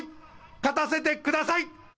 勝たせてください。